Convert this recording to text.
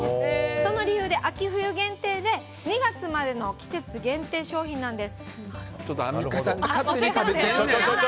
その理由で、秋冬限定で２月までの季節限定商品なんです。